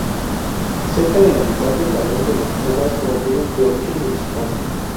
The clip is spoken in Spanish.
Cerca de la mitad del valor de las obras proviene de origen municipal.